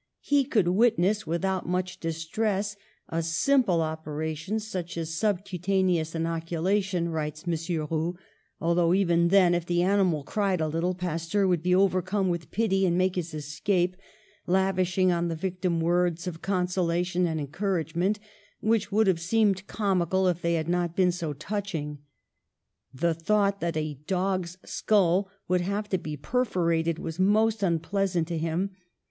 ^^He could witness, without much distress, a simple operation such as subcutaneous inocu lation," writes M. Roux, "although even then, if the animal cried a little, Pasteur would be overcome with pity and make his escape, lav ishing on the victim words of consolation and encouragement, which would have seemed com ical if they had not been so touching. The thought that a dog's skull would have to be perforated was most unpleasant to him.